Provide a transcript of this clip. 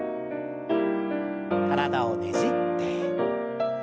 体をねじって。